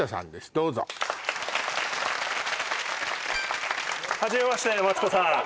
どうぞはじめましてマツコさん